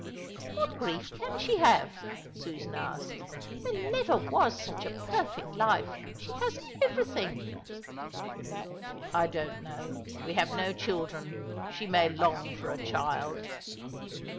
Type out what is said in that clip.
"What grief can she have?" Susan asked. "There never was such a perfect life. She has everything." "I don't know. We have no children. She may long for a child."